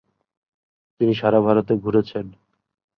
তিনি সারা ভারতে ঘুরেছেন।